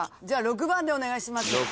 じゃあ６番でお願いします。